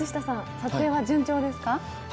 撮影は順調ですか。